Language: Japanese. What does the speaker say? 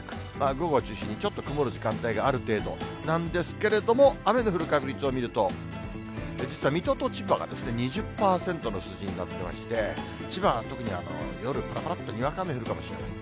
午後を中心にちょっと曇る時間帯がある程度なんですけれども、雨の降る確率を見ると、実は、水戸と千葉が２０％の数字になってまして、千葉は特に夜、ぱらぱらっと、にわか雨降るかもしれません。